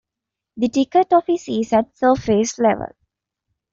The ticket office is at surface level.